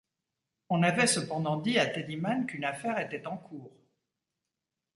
On avait cependant dit à Teddiman qu'une affaire était en cours.